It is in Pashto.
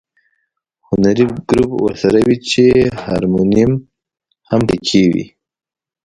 هنري ګروپ ورسره وي چې هارمونیم هم په کې وي.